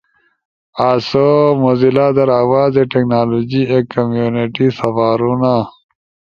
آسو موزیلا در آوازے ٹینکنالوجی ایک کمیونیٹی سپارونا۔